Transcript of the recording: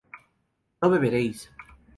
no beberéis